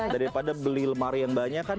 daripada beli lemari yang banyak kan